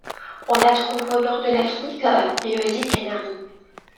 On la trouve au Nord de l'Afrique et aux Îles Canaries.